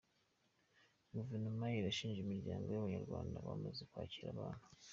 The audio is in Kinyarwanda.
Guverinoma irashimira imiryango y’Abanyarwanda yamaze kwakira abana.